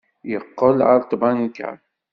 Yeqqel ɣer tbanka.